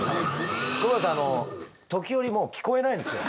久保田さんあの時折もう聞こえないんですよ。